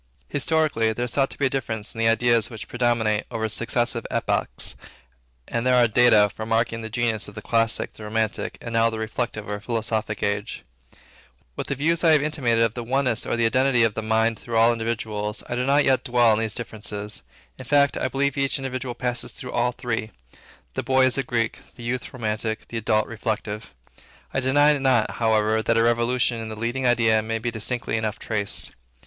Historically, there is thought to be a difference in the ideas which predominate over successive epochs, and there are data for marking the genius of the Classic, of the Romantic, and now of the Reflective or Philosophical age. With the views I have intimated of the oneness or the identity of the mind through all individuals, I do not much dwell on these differences. In fact, I believe each individual passes through all three. The boy is a Greek; the youth, romantic; the adult, reflective. I deny not, however, that a revolution in the leading idea may be distinctly enough traced.